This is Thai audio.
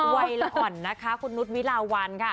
วันและอ่อนนะคะคุณนุสวิลาวัน